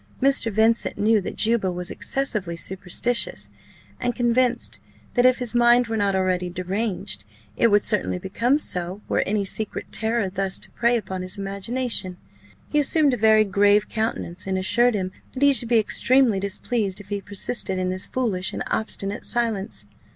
Mr. Vincent knew that Juba was excessively superstitious; and convinced, that, if his mind were not already deranged, it would certainly become so, were any secret terror thus to prey upon his imagination, he assumed a very grave countenance, and assured him, that he should be extremely displeased if he persisted in this foolish and obstinate silence.